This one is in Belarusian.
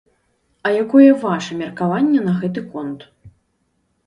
А якое ваша меркаванне на гэты конт?